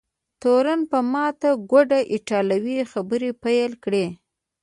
تورن په ماته ګوډه ایټالوي خبرې پیل کړې.